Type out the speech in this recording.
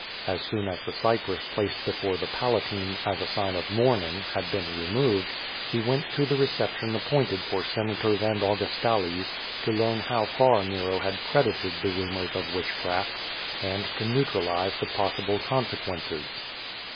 As soon as the cypress placed before the Palatine, as a sign of mourn ing, had been removed, he went to the reception appointed for Senators and Augustales to learn how far Nero had credited the rumors of witchcraft and to neutralize the possible con sequences.